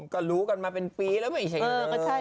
ก็รู้กันมาเป็นปีแล้วไม่ใช่เออก็ใช่ไง